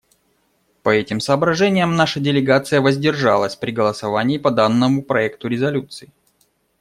По этим соображениям наша делегация воздержалась при голосовании по данному проекту резолюции.